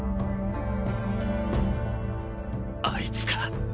あいつか。